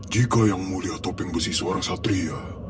jika yang mulia topeng besi suara satria